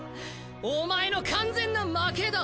お前の完全な負けだ！